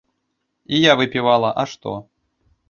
І я выпіла, а што?